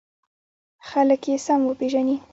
خلک یې سم وپېژني.